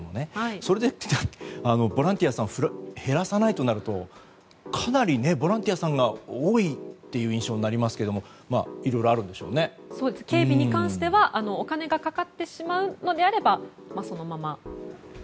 それでボランティアさんを減らさないとなるとかなり、ボランティアさんが多いという印象になりますが警備に関してはお金がかかってしまうのであればそのまま。